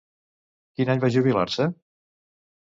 Quin any va jubilar-se?